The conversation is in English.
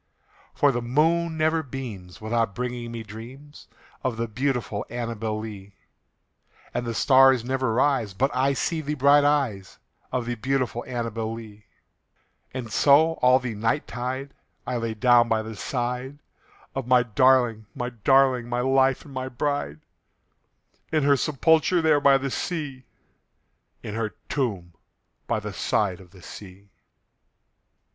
For the moon never beams without bringing me dreams Of the beautiful ANNABEL LEE; And the stars never rise but I see the bright eyes Of the beautiful ANNABEL LEE; And so, all the night tide, I lie down by the side Of my darling, my darling, my life and my bride, In her sepulchre there by the sea In her tomb by the side of the sea.